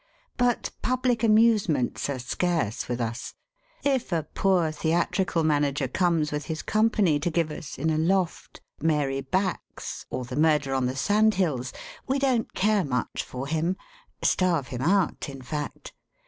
But public amusements are scarce with us. If a poor theatrical manager comes with his company to give us, in a loft, Mary Bax, or the Murder on the Sand Hills, we don't care much for him—starve him out, in fact.